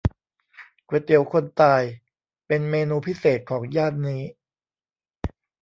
ก๋วยเตี๋ยวคนตาย เป็นเมนูพิเศษของย่านนี้